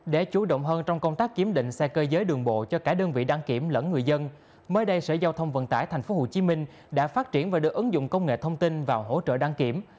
để chủ động hơn trong công tác kiểm định xe cơ giới đường bộ cho cả đơn vị đăng kiểm lẫn người dân mới đây sở giao thông vận tải tp hcm đã phát triển và đưa ứng dụng công nghệ thông tin vào hỗ trợ đăng kiểm